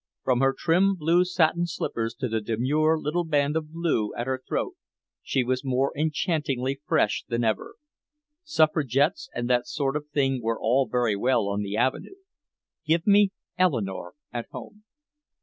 From her trim blue satin slippers to the demure little band of blue at her throat she was more enchantingly fresh than ever. Suffragettes and that sort of thing were all very well on the Avenue. Give me Eleanore at home.